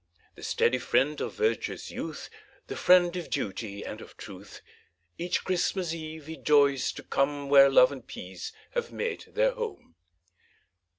The steady friend of virtuous youth, The friend of duty, and of truth, Each Christmas eve he joys to come Where love and peace have made their home.